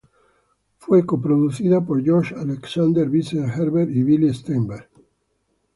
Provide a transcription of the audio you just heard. Fue co-producida por Josh Alexander, Vincent Herbert, y Billy Steinberg.